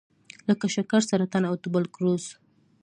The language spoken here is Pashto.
لکه شکر، سرطان او توبرکلوز.